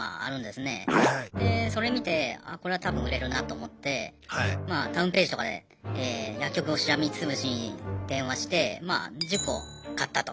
でそれ見てあこれは多分売れるなと思ってまあタウンページとかで薬局をしらみつぶしに電話してまあ１０個買ったと。